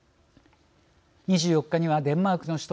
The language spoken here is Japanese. ２４日にはデンマークの首都